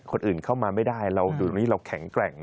คนอื่นเข้ามาไม่ได้เราอยู่ตรงนี้เราแข็งแกร่ง